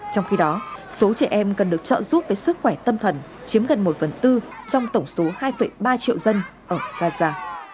trong khi đó số trẻ em cần được trợ giúp với sức khỏe tâm thần chiếm gần một phần tư trong tổng số hai ba triệu dân ở gaza